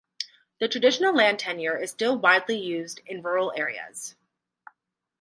The traditional land tenure is still widely used in rural areas.